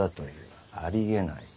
ありえない！